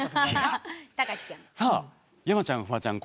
山ちゃん、フワちゃん